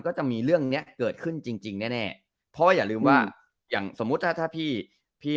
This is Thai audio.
ก็จะมีเรื่องเนี้ยเกิดขึ้นจริงจริงแน่แน่เพราะว่าอย่าลืมว่าอย่างสมมุติถ้าถ้าพี่พี่